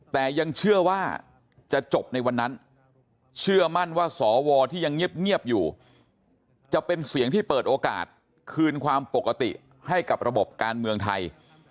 แต่ยังเชื่อว่าจะจบในวันนั้นเชื่อมั่นว่าสวที่ยังเงียบอยู่จะเป็นเสียงที่เปิดโอกาสคืนความปกติให้กับระบบการเมืองไทย